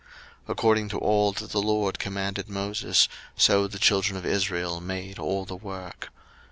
02:039:042 According to all that the LORD commanded Moses, so the children of Israel made all the work.